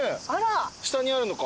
下にあるのか。